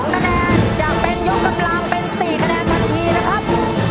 คะแนนจะเป็นยกกำลังเป็น๔คะแนนทันทีนะครับ